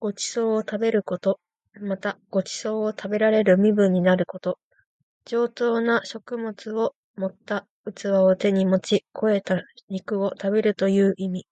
ご馳走を食べること。また、ご馳走を食べられる身分になること。上等な食物を盛った器を手に持ち肥えた肉を食べるという意味。